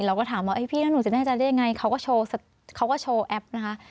เราก็ถามว่าพี่นั้นหนูจะได้อย่างไรเขาก็โชว์แอปนะคะ